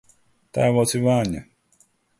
Tēvoci Vaņa!